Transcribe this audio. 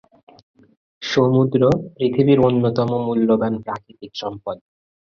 সমুদ্র পৃথিবীর অন্যতম মূল্যবান প্রাকৃতিক সম্পদ।